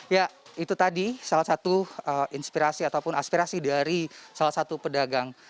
ya itu tadi salah satu inspirasi ataupun aspirasi dari salah satu pedagang